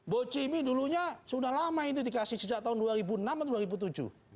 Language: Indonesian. bo cimi dulunya sudah lama ini dikasih sejak tahun dua ribu enam atau dua ribu tujuh